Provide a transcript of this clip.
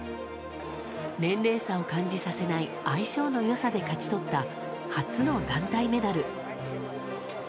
年齢差を感じさせない相性のよさで勝ち取った初の団体メダル。